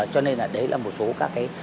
cho nên là đấy là một số các cái